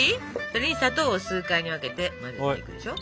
それに砂糖を数回に分けて混ぜていくでしょ。